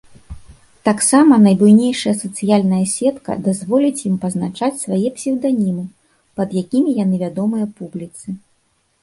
Таксама найбуйнейшая сацыяльная сетка дазволіць ім пазначаць свае псеўданімы, пад якімі яны вядомыя публіцы.